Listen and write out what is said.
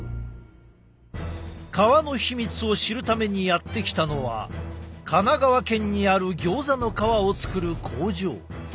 皮の秘密を知るためにやって来たのは神奈川県にあるギョーザの皮を作る工場。